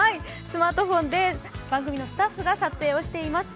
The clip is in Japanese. スマートフォンで番組のスタッフが撮影しています。